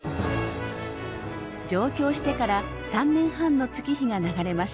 上京してから３年半の月日が流れました。